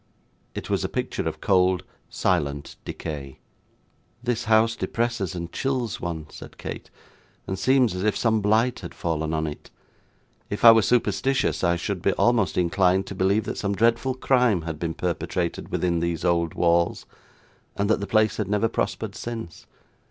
It was a picture of cold, silent decay. 'This house depresses and chills one,' said Kate, 'and seems as if some blight had fallen on it. If I were superstitious, I should be almost inclined to believe that some dreadful crime had been perpetrated within these old walls, and that the place had never prospered since.